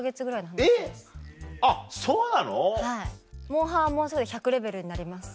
『モンハン』はもうすぐ１００レベルになります。